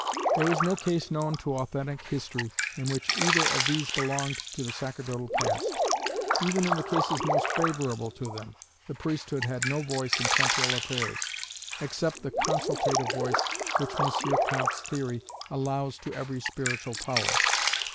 There is no case known to authentic history in which either of these belonged to the sacerdotal caste. Even in the cases most favourable to them, the priesthood had no voice in temporal affairs, except the "consultative" voice which M. Comte's theory allows to every spiritual power.